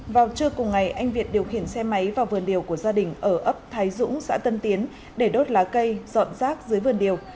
vào trưa cùng ngày anh việt điều khiển xe máy vào vườn điều của gia đình ở ấp thái dũng xã tân tiến để đốt lá cây dọn rác dưới vườn điều